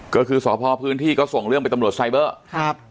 ก็คือสพพื้นที่ก็ส่งเรื่องไปตำรวจไซเบอร์ครับ